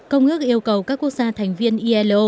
công ước yêu cầu các quốc gia thành viên ilo